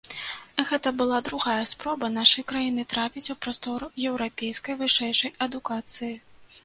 Гэта была другая спроба нашай краіны трапіць у прастору еўрапейскай вышэйшай адукацыі.